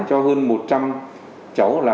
cho hơn một trăm linh cháu là